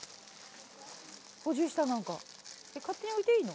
補充した何か勝手に置いていいの？